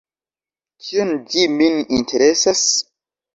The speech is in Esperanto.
Kion ĝi min interesas?